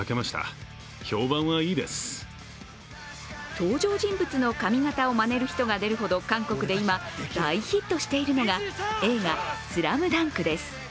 登場人物の髪型をまねる人が出るほど韓国で今、大ヒットしているのが映画「ＳＬＡＭＤＵＮＫ」です。